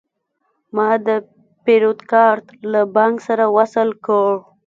ما د پیرود کارت له بانک سره وصل کړ.